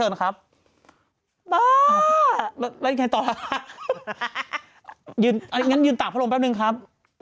ยังไม่ลงมาแล้วครับ